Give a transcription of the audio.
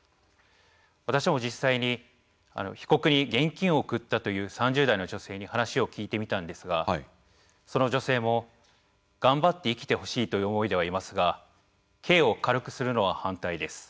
私も実際に被告に現金を送ったという３０代の女性に話を聞いてみたんですがその女性も頑張って生きてほしいという思いではいますが刑を軽くするのは反対です。